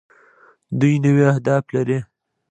دوی نوي اهداف لري.